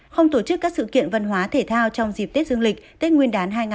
không tổ chức các sự kiện văn hóa thể thao trong dịp tết dương lịch tết nguyên đán hai nghìn hai mươi